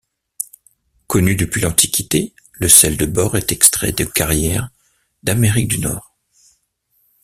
Connu depuis l’antiquité, le sel de bore est extrait de carrières d'Amérique du Nord.